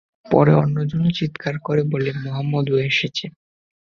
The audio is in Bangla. পরে অন্যজনও চিৎকার করে বলে, মুহাম্মাদও এসেছে।